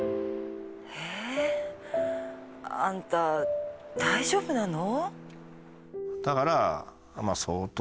ええあんた大丈夫なの？